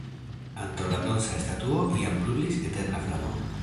Antaŭ la bronza statuo iam brulis eterna flamo.